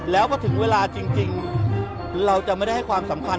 แล้วก็ถึงเวลาจริงเราจะไม่ได้ให้ความสัมพันธ